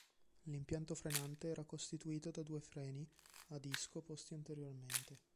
L'impianto frenante era costituito da due freni a disco posti anteriormente.